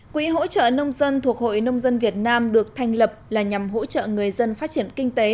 quỹ hỗ trợ nông dân thuộc hội nông dân việt nam được thành lập là nhằm hỗ trợ người dân phát triển kinh tế